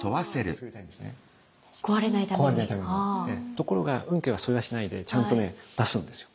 ところが運慶はそれはしないでちゃんとね出すんですよ。